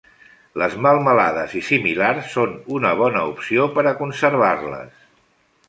Les melmelades i similars són una bona opció per a conservar-les.